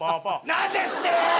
何ですって！